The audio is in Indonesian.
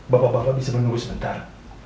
bapak bapak bisa menunggu sebentar